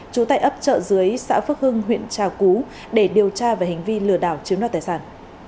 trú tại ấp chợ dưới xã phước hưng huyện trà cú để điều tra về hành vi lừa đảo chiếm đoạt tài sản